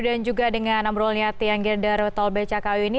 dan juga dengan ambrolnya tiang gerda rotol bcku ini